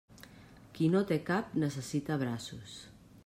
Qui no té cap necessita braços.